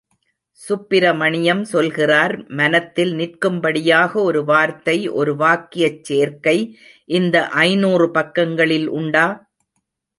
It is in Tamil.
சுப்பிரமணியம் சொல்கிறார், மனத்தில் நிற்கும்படியாக ஒரு வார்த்தை ஒரு வாக்கியச் சேர்க்கை இந்த ஐந்நூறு பக்கங்களில் உண்டா?